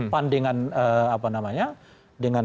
pandangan dengan pkb tidak tergantung